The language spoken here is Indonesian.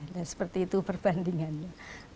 dan seperti itu perbandingannya